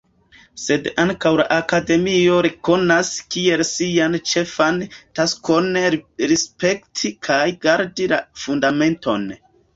Sed ankaŭ la Akademio rekonas kiel sian ĉefan taskon respekti kaj gardi la Fundamenton.